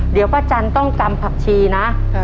เดี๋ยวป้าจันต้องกำผักชีนะ